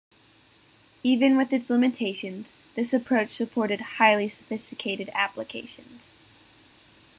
Even with its limitations, this approach supported highly sophisticated applications.